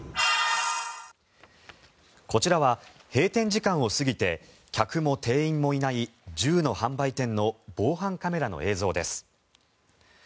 こちらは閉店時間を過ぎて客も店員もいない銃の販売店の防犯カメラの映像です。